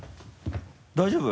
大丈夫？